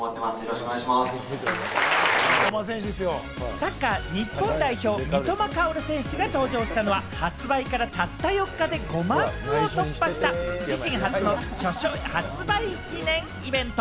サッカー日本代表・三笘薫選手が登場したのは、発売からたった４日で５万部を突破した自身初の著書発売記念イベント。